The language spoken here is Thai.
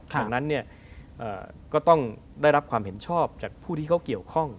ดังนั้นก็ต้องได้รับความเห็นชอบจากผู้ที่เขาเกี่ยวข้อง